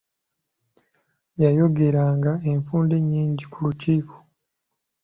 Yayogeranga enfunda nnyingi ku Lukiiko.